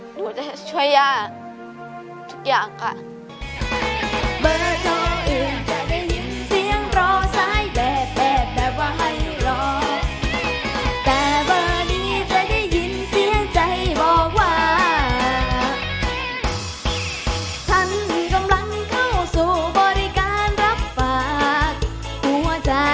หัวใจช่วยยากทุกอย่าง